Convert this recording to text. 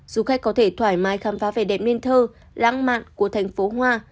du khách có thể thoải mái khám phá vẻ đẹp mên thơ lãng mạn của thành phố hoa